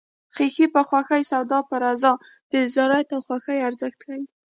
خیښي په خوښي سودا په رضا د رضایت او خوښۍ ارزښت ښيي